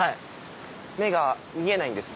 目が見えないんですね？